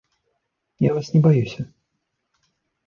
Я вас не баюся.